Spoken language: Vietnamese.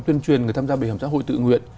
tuyên truyền người tham gia bảo hiểm xã hội tự nguyện